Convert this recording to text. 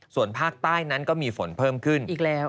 ส่วนภาคใต้นั้นก็มีฝนเพิ่มขึ้น